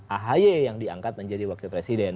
ahy yang diangkat menjadi wakil presiden